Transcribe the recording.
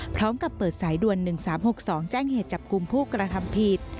พร้อมกับเปิดสายด่วน๑๓๖๒แจ้งเหตุจับกลุ่มผู้กระทำผิด